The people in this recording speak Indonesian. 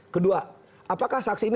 kedua apakah saksi ini